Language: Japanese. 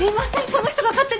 この人が勝手に。